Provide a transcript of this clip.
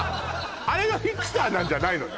あれがフィクサーなんじゃないのね？